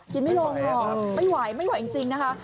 ไม่ลงค่ะไม่ไหวไม่ไหวจริงนะคะ